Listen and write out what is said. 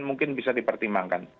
mungkin bisa dipertimbangkan